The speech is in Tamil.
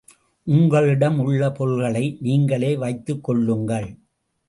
உங்களிடம் உள்ள பொருள்களை நீங்களே வைத்துக் கொள்ளுங்கள்.